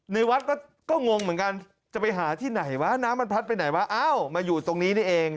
ในวัดก็งงเหมือนกันจะไปหาที่ไหนวะน้ำมันพัดไปไหนวะอ้าวมาอยู่ตรงนี้นี่เอง